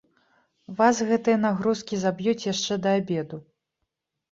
Вас гэтыя нагрузкі заб'юць яшчэ да абеду.